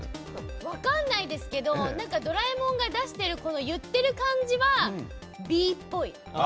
分かんないですけど、何かドラえもんが言っている感じはＢっぽい。